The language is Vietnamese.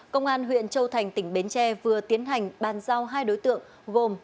công an huyện châu thành tỉnh bến tre vừa tiến hành bàn giao hai đối tượng gồm